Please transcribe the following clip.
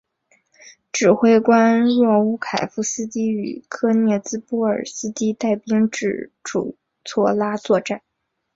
指挥官若乌凯夫斯基与科涅茨波尔斯基带兵至楚措拉作战。